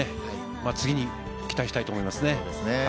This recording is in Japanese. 次に期待したいと思います。